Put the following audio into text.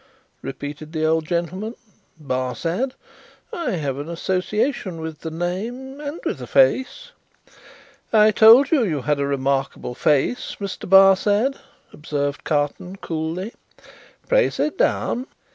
repeated the old gentleman, "Barsad? I have an association with the name and with the face." "I told you you had a remarkable face, Mr. Barsad," observed Carton, coolly. "Pray sit down."